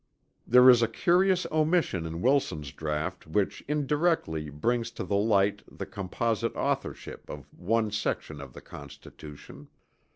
There is a curious omission in Wilson's draught which indirectly brings to the light the composite authorship of one section of the Constitution.